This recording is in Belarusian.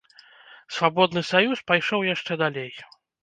Свабодны саюз пайшоў яшчэ далей.